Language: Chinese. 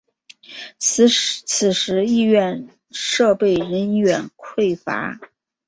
此时医院设备人员匮乏。